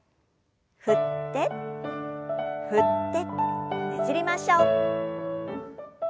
振って振ってねじりましょう。